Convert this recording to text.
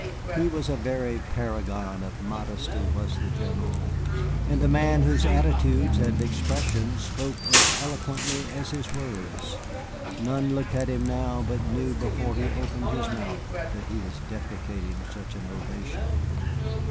He was a very paragon of modesty, was the General, and a man whose attitudes and expressions spoke as eloquently as his words. None looked at him now but knew before he opened his mouth that he was deprecating such an ovation.